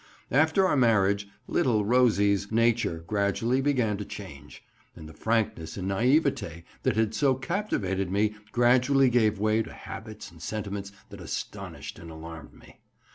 After our marriage 'little Rosie's' nature gradually began to change; and the frankness and naïveté that had so captivated me gradually gave way to habits and sentiments that astonished and alarmed me.